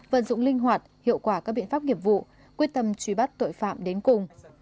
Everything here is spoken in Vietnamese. vận dụng linh hoạt hiệu quả các biện pháp nghiệp vụ quyết tâm truy bắt tội phạm đến cùng